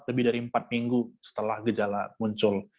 lebih dari empat minggu setelah gejala muncul